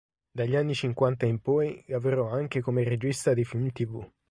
Dagli anni cinquanta in poi, lavorò anche come regista di film tv.